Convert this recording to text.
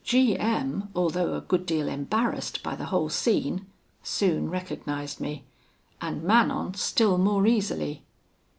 "G M , although a good deal embarrassed by the whole scene, soon recognised me; and Manon still more easily.